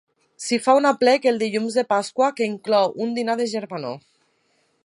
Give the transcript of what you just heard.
S'hi fa un aplec el Dilluns de Pasqua que inclou un dinar de germanor.